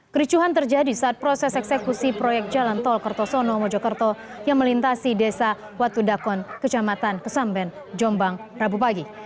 kericuhan terjadi saat proses eksekusi proyek jalan tol kertosono mojokerto yang melintasi desa watudakon kecamatan kesamben jombang rabu pagi